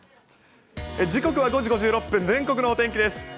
時刻は５時５６分、全国のお天気です。